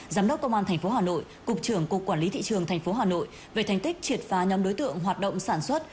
giám đốc công an tp hà nội cục trưởng cục quản lý thị trường tp hà nội về thành tích triệt phá nhóm đối tượng hoạt động sản xuất